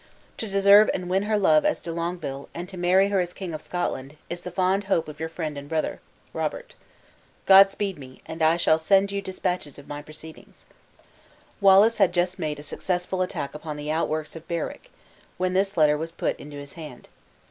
To deserve and win her love as De Longueville, and to marry her as King of Scotland, is the fond hope of your friend and brother, Robert . God speed me, and I shall send you dispatches of my proceedings." Wallace had just made a successful attack upon the outworks of Berwick, when this letter was put into his hand.